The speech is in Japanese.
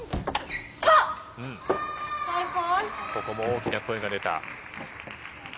ここも大きな声が出た。